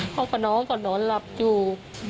พ่อก็น้องเค้านอนลับอยู่